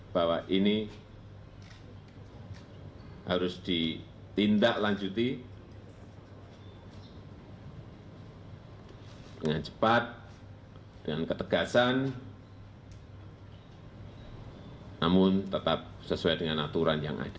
bahwa ini harus ditindaklanjuti dengan cepat dengan ketegasan namun tetap sesuai dengan aturan yang ada